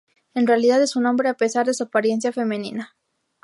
En realidad es un hombre a pesar de su apariencia femenina.